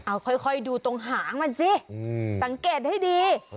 เอาค่อยดูตรงหางมันสิสังเกตให้ดี